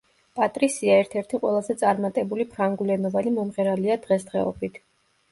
პატრისია ერთ–ერთი ყველაზე წარმატებული ფრანგულენოვანი მომღერალია დღესდღეობით.